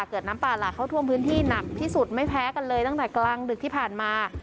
เกิดน้ำป่าหลากเข้าท่วมพื้นที่หนักที่สุดไม่แพ้กันเลยตั้งแต่กลางดึกที่ผ่านมา